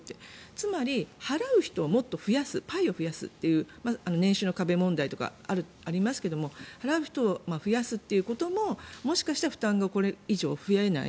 つまり払う人をもっと増やすパイを増やすという年収の壁問題とかありますが払う人を増やすことももしかしたら負担がこれ以上増えない